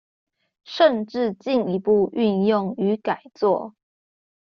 甚至進一步運用與改作